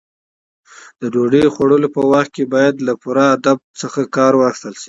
د ډوډۍ خوړلو په وخت کې باید له پوره ادب څخه کار واخیستل شي.